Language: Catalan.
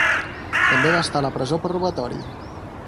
També va estar a la presó per robatori.